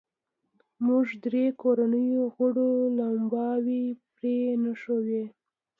موږ درې کورنیو غړو لمباوې پرې نښوې.